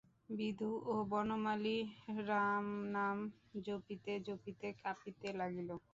বিধু এবং বনমালী রামনাম জপিতে জপিতে কাঁপিতে লাগিল।